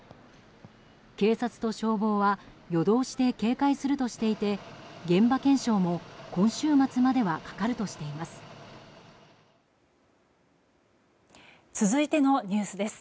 警察と消防は夜通しで警戒するとしていて現場検証も今週末まではかかるとしています。